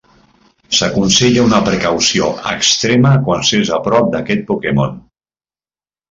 S'aconsella una precaució extrema quan s'és a prop d'aquest Pokémon.